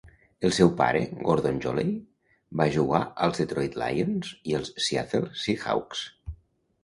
El seu pare, Gordon Jolley, va jugar per als Detroit Lions i els Seattle Seahawks.